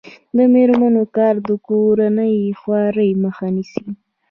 د میرمنو کار د کورنۍ خوارۍ مخه نیسي.